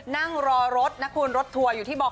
นั่งรอรถนะคุณรถทัวร์อยู่ที่บอก